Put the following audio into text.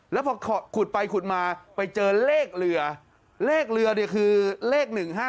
แล้วพอขุดไปขุดมาไปเจอเลขเรือเลขเรือเนี่ยคือเลข๑๕๗